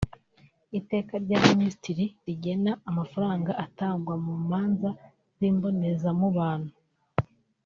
Iteka rya Minisitiri rigena amafaranga atangwa mu manza z’imbonezamubano